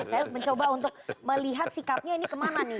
saya mencoba untuk melihat sikapnya ini kemana nih